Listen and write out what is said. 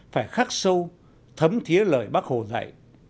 phải khắc sâu thấm thía lời bác hồ dạy